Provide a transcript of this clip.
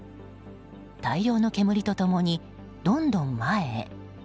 大量の煙と共にどんどん前へ。